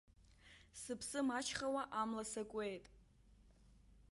Сыԥсы маҷхауа амла сакуеит.